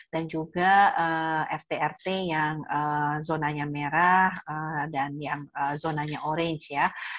dan juga rt rt yang zonanya merah dan yang zonanya orange